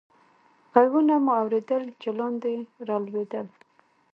ږغونه مو اورېدل، چې لاندې رالوېدل.